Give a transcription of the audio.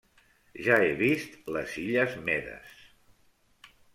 Ja he vist Les Illes Medes!